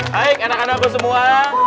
baik enak enak semua